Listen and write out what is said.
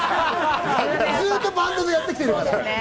ずっとバンドでやってきてるから。